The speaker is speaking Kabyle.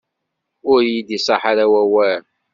Ur yi-d-iṣaḥ ara wawal.